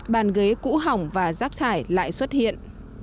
bàn ghế cũ hỏng và rác thải lại xuất hiện